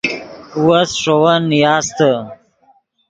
وس ݰے ون نیاستے